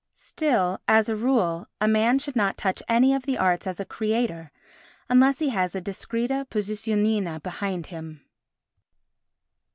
Still, as a rule, a man should not touch any of the arts as a creator unless be has a discreta posizionina behind him.